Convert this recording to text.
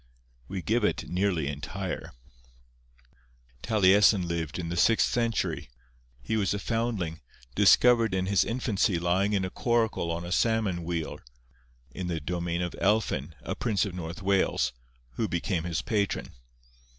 We give it nearly entire:— 'Taliesin lived in the sixth century. He was a foundling, discovered in his infancy lying in a coracle on a salmon weir, in the domain of Elphin, a prince of North Wales, who became his patron.